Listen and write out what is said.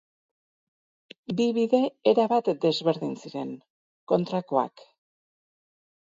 Bi bide erabat desberdin ziren, kontrakoak.